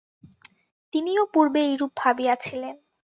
তিনিও পূর্বে এইরূপ ভাবিয়াছিলেন।